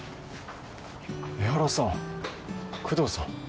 江原さん工藤さん。